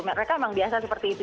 mereka memang biasa seperti itu